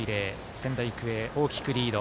仙台育英、大きくリード。